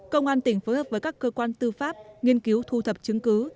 công an tỉnh phối hợp với các cơ quan tư pháp nghiên cứu thu thập chứng cứ